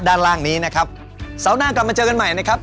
ด้านล่างนี้นะครับเสาร์หน้ากลับมาเจอกันใหม่นะครับ